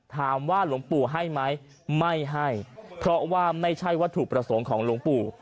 หลวงปู่ให้ไหมไม่ให้เพราะว่าไม่ใช่วัตถุประสงค์ของหลวงปู่